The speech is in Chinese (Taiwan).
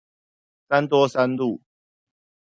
三多三路